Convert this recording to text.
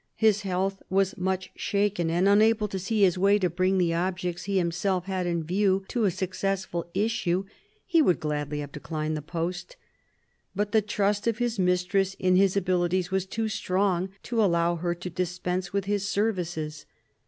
His health was much shaken, and, unable to see his way to bring the objects he himself had in view to a successful issue, he would gladly have declined the post. But the trust of his mistress in his abilities was too strong to allow her to dispense with his services.